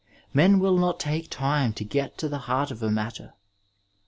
Men will not take time to get to the heart of a matter.